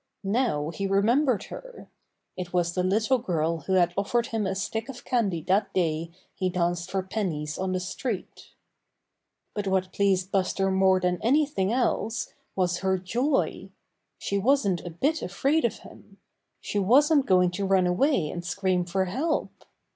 Now he remembered her. It was the little girl who had offered him a stick of candy that day he danced for pennies on the street. Buster Meets Little Girl Again 101 But what pleased Buster more than anything else was her joy. She wasn't a bit afraid of him! She wasn't going to run away and scream for help.